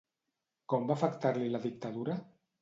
Com va afectar-li la dictadura?